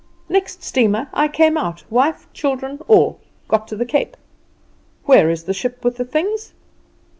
Next steamer I came out wife, children, all. Got to the Cape. Where is the ship with the things?